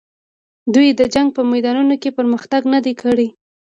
دوی د جنګ په میدانونو کې پرمختګ نه دی کړی.